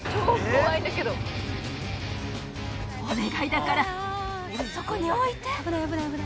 お願いだからそこに置いて。